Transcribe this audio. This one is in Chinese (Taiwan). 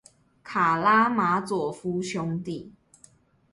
卡拉馬佐夫兄弟